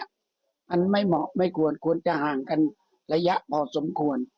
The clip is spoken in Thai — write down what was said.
มันไม่เหมาะไม่ควรควรจะห่างกันระยะพอสมควร